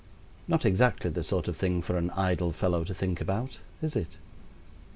Not exactly the sort of thing for an idle fellow to think about, is it?